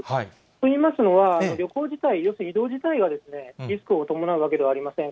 といいますのは、旅行自体、要するに移動自体がリスクを伴うわけではありません。